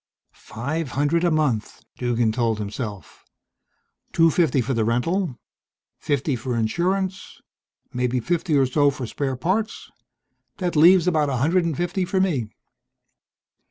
"Five hundred a month," Duggan told himself. "Two fifty for the rental, fifty for insurance maybe fifty or so for spare parts that leaves about a hundred and fifty for me."